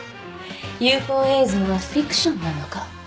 ＵＦＯ映像はフィクションなのか。